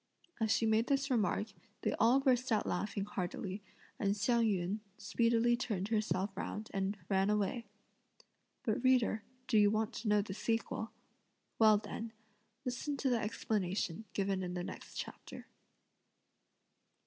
As she made this remark, they all burst out laughing heartily, and Hsiang yün speedily turned herself round and ran away. But reader, do you want to know the sequel? Well, then listen to the explanation given in the next chapter.